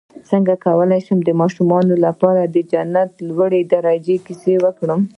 څنګه کولی شم د ماشومانو لپاره د جنت لوړو درجو کیسه وکړم